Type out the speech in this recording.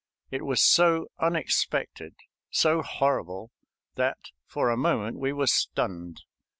It was so unexpected, so horrible, that for a moment we were stunned.